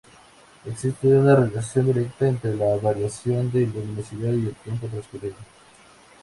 Existe una relación directa entre la variación de luminosidad y el tiempo transcurrido.